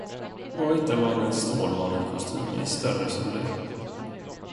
Var hittar man en stålmannenkostym i större storlek?